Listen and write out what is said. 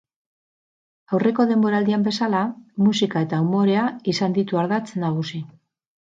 Aurreko denboraldian bezala, musika eta umorea izan ditu ardatz nagusi.